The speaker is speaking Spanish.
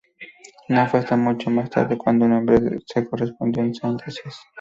No fue hasta mucho más tarde cuando el nombre se corrompió en "Sainte-Assise".